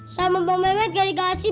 sama bang mehmet gak dikasih